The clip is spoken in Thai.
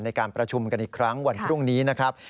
ในการประชุมกันอีกครั้งวันพรุ่งนี้นะครับ